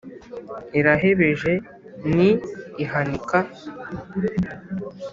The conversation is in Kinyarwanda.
irahebeje ni ihanika